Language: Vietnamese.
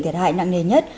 thiệt hại nặng nề nhất